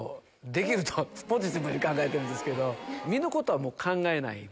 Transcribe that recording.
できるとポジティブに考えてるんですけど。